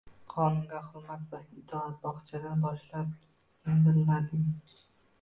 Qonunga hurmat va itoat – bog‘chadan boshlab singdirilading